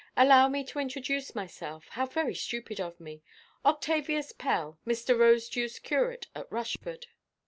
Allow me to introduce myself. How very stupid of me! Octavius Pell, Mr. Rosedewʼs curate at Rushford."